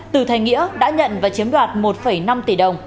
từ thành nghĩa đã nhận và chiếm đoạt một năm tỷ đồng